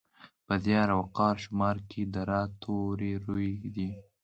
په زیار، وقار، شمار کې د راء توری روي دی.